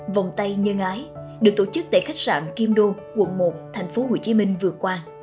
vòng tay nhân ái được tổ chức tại khách sạn kim đô quận một tp hcm vừa qua